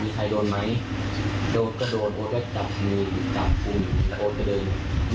มีใครโดนไหมโดดก็โดดโอ๊ดก็จับมือจับกุมและโอ๊ดก็เดิน